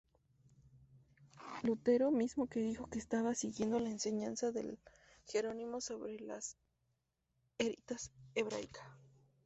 Lutero mismo dijo que estaba siguiendo la enseñanza de Jerónimo sobre la "Veritas Hebraica".